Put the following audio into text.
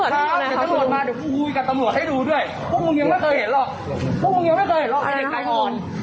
รู้จักโดยช่างทางไหมอ่าดูดูดูดูอืมน้ำหนักไปน้องน้อง